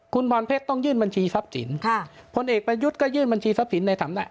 คุณพรเพชรต้องยื่นบัญชีทรัพย์สินค่ะพลเอกประยุทธ์ก็ยื่นบัญชีทรัพย์สินในฐานะ